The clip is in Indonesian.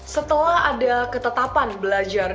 setelah ada ketetapan belajar